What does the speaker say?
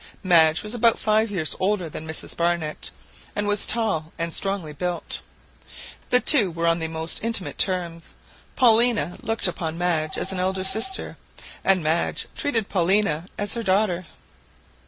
Madge was about five years older than Mrs Barnett, and was tall and strongly built. The two were on the most intimate terms; Paulina looked upon Madge as an elder sister, and Madge treated Paulina as her daughter.